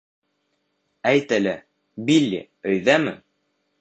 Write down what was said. Әйт әле, Билли өйҙәме?